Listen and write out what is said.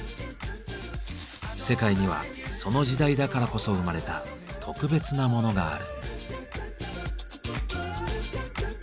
世界にはその時代だからこそ生まれた特別なモノがある。